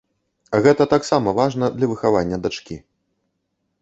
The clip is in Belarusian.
Гэта таксама важна для выхавання дачкі.